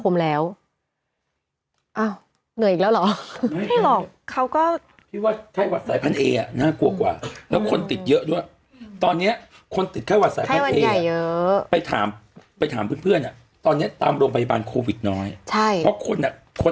ไม่ได้รับเข้าไปรักษา